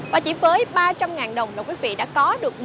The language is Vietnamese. và chỉ với ba trăm linh đồng là quý vị đã có được